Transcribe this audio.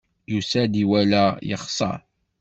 Yusa-d, iwala, yexṣer.